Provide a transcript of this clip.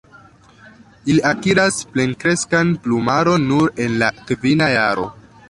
Ili akiras plenkreskan plumaron nur en la kvina jaro.